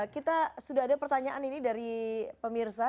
kita sudah ada pertanyaan ini dari pemirsa